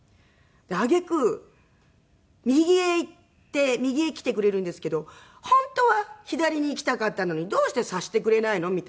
あげく右へ行って右へ来てくれるんですけど本当は左に行きたかったのにどうして察してくれないの？みたいな。